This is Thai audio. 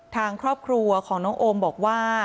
ทางครอบครัวของน้องโอมบอกว่า